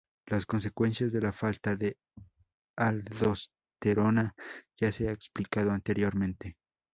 Las consecuencias de la falta de aldosterona ya se ha explicado anteriormente.